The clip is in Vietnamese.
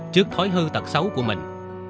trước thói hư thật xấu của mình